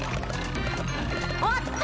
おっと！